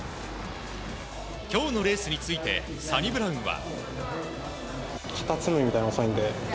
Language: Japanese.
今日のレースについてサニブラウンは。